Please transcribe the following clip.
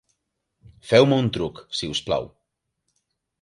Feu-me un truc, si us plau.